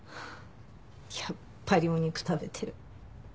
やっぱりお肉食べてる。